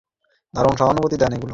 দারুণ সুখানুভূতি দেয় এগুলো।